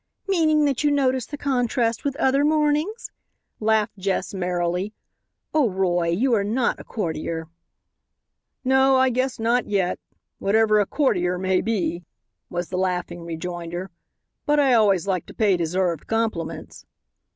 "Meaning that you notice the contrast with other mornings," laughed Jess merrily; "oh, Roy, you are not a courtier." "No, I guess not yet whatever a courtier may be," was the laughing rejoinder; "but I always like to pay deserved compliments."